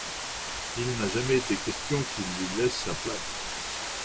Il n’a jamais été question qu’il lui laisse sa place.